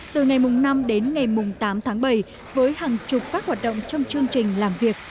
từ ngày năm đến ngày tám tháng bảy với hàng chục các hoạt động trong chương trình làm việc